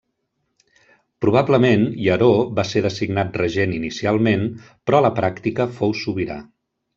Probablement Hieró va ser designat regent inicialment però a la pràctica fou sobirà.